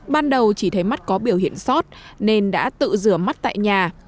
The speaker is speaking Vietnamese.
ban đầu chỉ thấy mắt có biểu hiện sót nên đã tự rửa mắt tại nhà